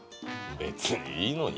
「別にいいのに」